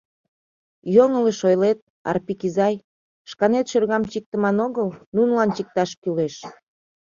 Йоҥылыш ойлет, Арпик изай, шканет шӧргам чиктыман огыл, нунылан чикташ кӱлеш.